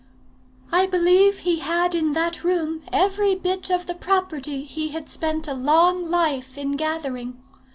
I believe he had in that room every bit of the property he had spent a long life in gathering.